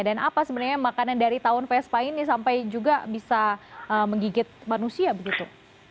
dan apa sebenarnya makanan dari tawon vespa ini sampai juga bisa menggigit manusia begitu